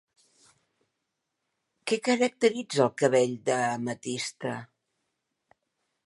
Què caracteritza el cabell d'ametista?